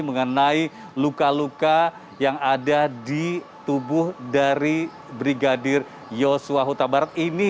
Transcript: mengenai luka luka yang ada di tubuh dari brigadir yosua huta barat ini